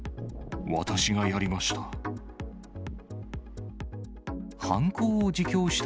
私がやりました。